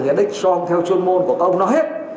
hay dexron theo chuyên môn của các ông nó hết